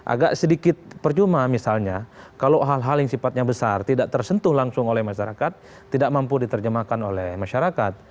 agak sedikit percuma misalnya kalau hal hal yang sifatnya besar tidak tersentuh langsung oleh masyarakat tidak mampu diterjemahkan oleh masyarakat